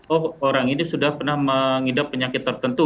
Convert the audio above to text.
oh orang ini sudah pernah mengidap penyakit tertentu